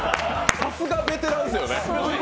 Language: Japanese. さすがベテランですよね。